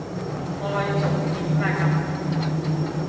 我去重點啦咁